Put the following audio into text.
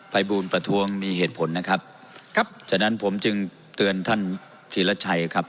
ภัยบูลประท้วงมีเหตุผลนะครับครับฉะนั้นผมจึงเตือนท่านธีรชัยครับ